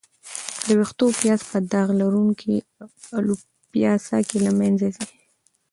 د وېښتو پیاز په داغ لرونکې الوپیسیا کې له منځه ځي.